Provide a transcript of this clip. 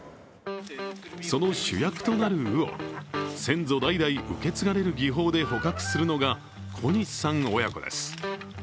その主役となる鵜を先祖代々受け継がれる技法で捕獲するのが小西さん親子です。